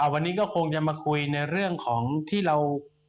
วันนี้ก็คงจะมาคุยในเรื่องของที่เรา